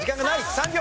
３秒。